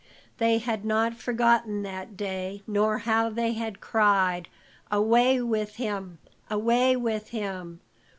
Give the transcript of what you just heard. They had not forgotten that day, nor how they had cried "Away with him away with him!